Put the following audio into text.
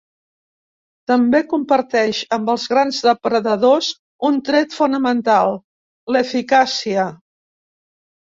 També comparteix amb els grans depredadors un tret fonamental: l'eficàcia.